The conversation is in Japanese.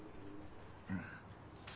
うん。